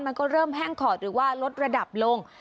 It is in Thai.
มันก็เริ่มแห้งขอดหรือว่าลดระดับลง